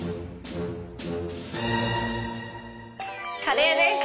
カレーです。